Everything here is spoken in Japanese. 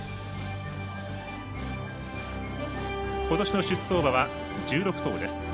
ことしの出走馬は１６頭です。